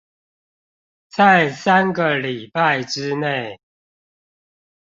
在三個禮拜之內